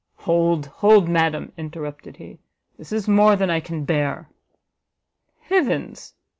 "Hold, hold, madam," interrupted he, "this is more than I can bear!" "Heavens!"